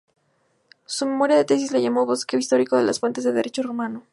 Su memoria de tesis la llamó "Bosquejo histórico de las fuentes del Derecho Romano".